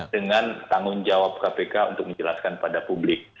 dengan tanggung jawab kpk untuk menjelaskan pada publik